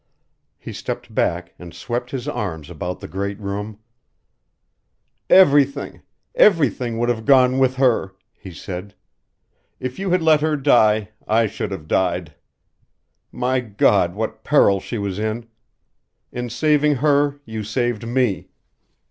He stepped back, and swept his arms about the great room. "Everything everything would have gone with her," he said. "If you had let her die, I should have died. My God, what peril she was in! In saving her you saved me.